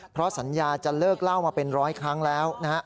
เพราะสัญญาจะเลิกเล่ามาเป็นร้อยครั้งแล้วนะฮะ